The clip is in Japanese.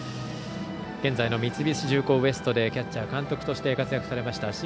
現在の三菱重工Ｗｅｓｔでキャッチャー、監督として活躍されました